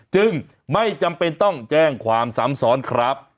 จึงไม่จำเป็นต้องแจ้งความซ้ำซ้อนครับ